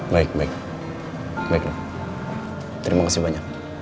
baik baik baik dok terima kasih banyak